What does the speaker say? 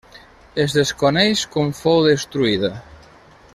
Es desconeix com fou destruïda.